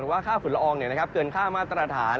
ว่าค่าฝุ่นละอองเกินค่ามาตรฐาน